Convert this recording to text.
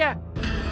amin ya pak lu